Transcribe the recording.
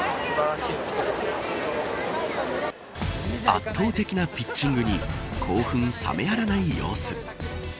圧倒的なピッチングに興奮冷めやらない様子。